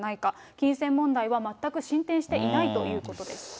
金銭問題は全く進展していないということです。